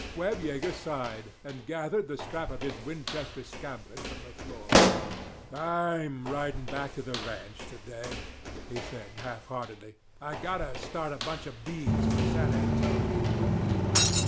Webb Yeager sighed, and gathered the strap of his Winchester scabbard from the floor. "I'm ridin' back to the ranch to day," he said half heartedly. "I've got to start a bunch of beeves for San Antone in the morning."